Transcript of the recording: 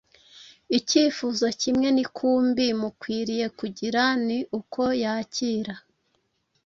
Icyifuzo kimwe nikumbi mukwiye kugira : ni uko yakira.